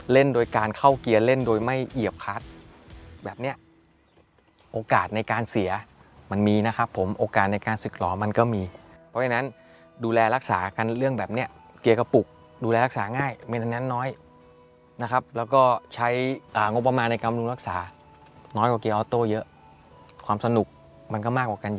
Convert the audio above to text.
โดยการเข้าเกียร์เล่นโดยไม่เหยียบคัดแบบเนี้ยโอกาสในการเสียมันมีนะครับผมโอกาสในการศึกหล่อมันก็มีเพราะฉะนั้นดูแลรักษากันเรื่องแบบนี้เกียร์กระปุกดูแลรักษาง่ายไม่ดังนั้นน้อยนะครับแล้วก็ใช้งบประมาณในการปรุงรักษาน้อยกว่าเกียร์ออโต้เยอะความสนุกมันก็มากกว่ากัน